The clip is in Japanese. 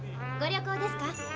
ご旅行ですか？